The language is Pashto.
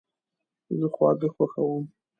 زه خواږه خوښوم